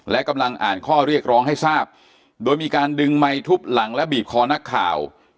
และกำลังอ่านข้อเรียกร้องให้ทราบโดยมีการดึงไมค์ทุบหลังและบีบคอนักข่าว